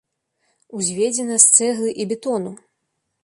Узведзена з цэглы і бетону.